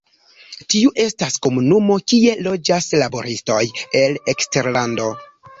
Tiu estas komunumo kie loĝas laboristoj el eksterlando.